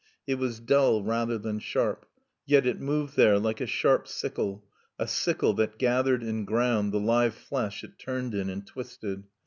It was dull rather than sharp, yet it moved there like a sharp sickle, a sickle that gathered and ground the live flesh it turned in and twisted.